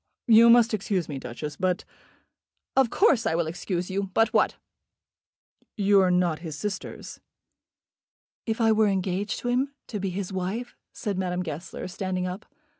"You must excuse me, Duchess, but " "Of course I will excuse you. But what?" "You are not his sisters." "If I were engaged to him, to be his wife? " said Madame Goesler, standing up.